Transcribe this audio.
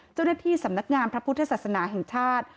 เจ้าหน้าที่สำนักงานพระพุทธศาสนาแห่งชาติ